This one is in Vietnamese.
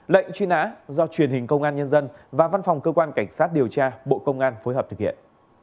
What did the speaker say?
lệnh truy nã do truyền hình công an nhân dân và văn phòng cơ quan cảnh sát điều tra bộ công an phối hợp thực hiện